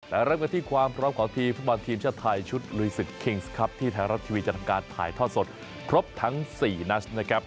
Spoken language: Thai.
แต่เริ่มกันที่ความพร้อมของทีมฟุตบอลทีมชาติไทยชุดลุยศึกคิงส์ครับที่ไทยรัฐทีวีจะทำการถ่ายทอดสดครบทั้ง๔นัดนะครับ